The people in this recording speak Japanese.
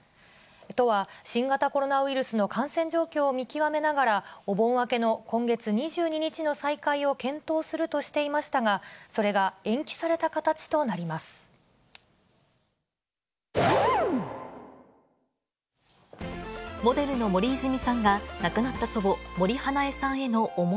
都は、新型コロナウイルスの感染状況を見極めながら、お盆明けの今月２２日の再開を検討するとしていましたが、それが延期された形となります。